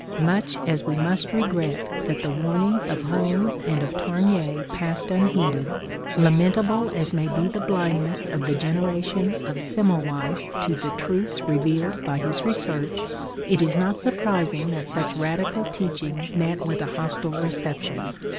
Much as we must regret that the warnings of Holmes and of Tarnier passed unheeded; lamentable as may be the blindness of the generation of Semmelweiss to the truths revealed by his research, it is not surprising that such radical teaching met with a hostile reception.